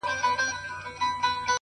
هوډ د نامعلومو لارو جرئت دی؛